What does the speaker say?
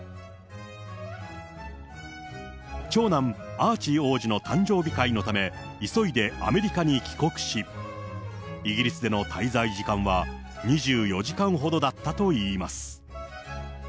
アーチー王子の誕生日会のため、急いでアメリカに帰国し、イギリスでの滞在時間は２４時間ほどだったといいます。